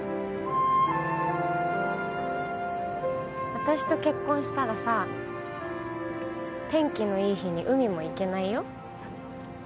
私と結婚したらさ天気のいい日に海も行けないよ。